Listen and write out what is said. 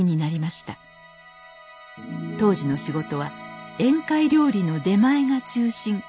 当時の仕事は宴会料理の出前が中心。